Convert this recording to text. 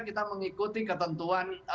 kita mengikuti ketentuan